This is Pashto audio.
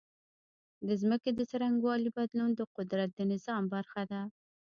د ځمکې د څرنګوالي بدلون د قدرت د نظام برخه ده.